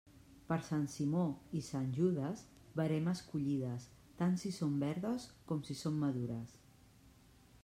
Per Sant Simó i Sant Judes, veremes collides, tant si són verdes com si són madures.